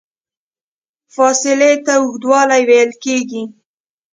فاصلې ته اوږدوالی ویل کېږي.